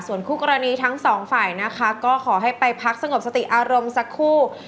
ส่วนคู่กรณีทั้งสองฝ่ายนะคะก็ขอให้ไปพักสงบสติอารมณ์สักคู่